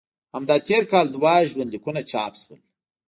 همدا تېر کال دوه ژوند لیکونه چاپ شول.